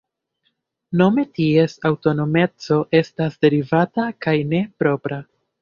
Nome ties aŭtonomeco estas "derivata", kaj ne "propra".